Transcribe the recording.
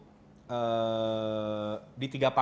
di tiga partai ini saja pak